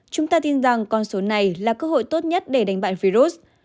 chúng ta tin rằng con số này là cơ hội tốt nhất để đánh bại virus